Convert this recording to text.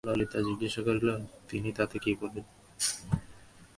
ললিতা জিজ্ঞাসা করিল, তিনি তাতে কী বললেন?